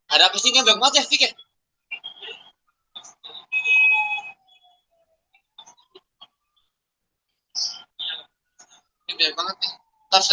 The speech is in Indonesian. ada kesingkatan yang banyak mas ya fikir